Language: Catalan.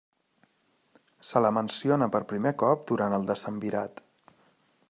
Se la menciona per primer cop durant el decemvirat.